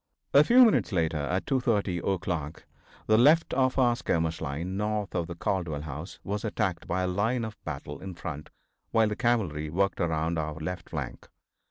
A few minutes later, at 2:30 o'clock, the left of our skirmish line, north of the Caldwell house, was attacked by a line of battle in front while the cavalry worked around our left flank.